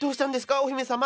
お姫様！